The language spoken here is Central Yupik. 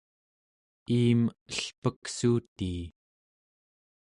iim elpeksuutii